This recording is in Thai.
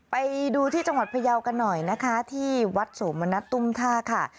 ไปดูที่จังหวัดพระเยากันหน่อยที่วัดโสมณะตุ้มท่าค่ะ